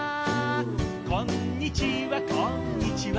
「こんにちはこんにちは」